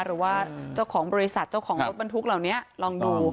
หรือว่าเจ้าของบริษัทเจ้าของรถบรรทุกเหล่านี้ลองดู